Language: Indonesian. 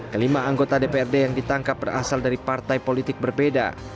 kelima anggota dprd yang ditangkap berasal dari partai politik berbeda